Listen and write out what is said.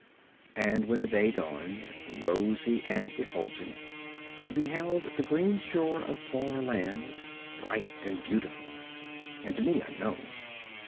And when the day dawned, rosy and effulgent, I beheld the green shore of far lands, bright and beautiful, and to me unknown.